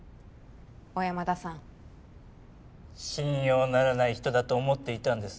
小山田さん信用ならない人だと思っていたんです